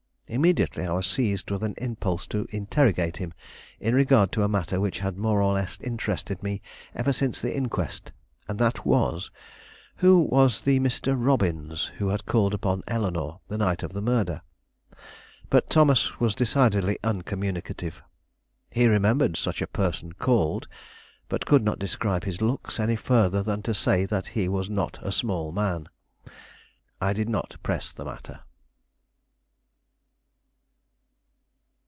Immediately I was seized with an impulse to interrogate him in regard to a matter which had more or less interested me ever since the inquest; and that was, who was the Mr. Robbins who had called upon Eleanore the night of the murder? But Thomas was decidedly uncommunicative. He remembered such a person called, but could not describe his looks any further than to say that he was not a small man. I did not press the matter.